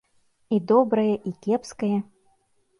І добрае, і кепскае.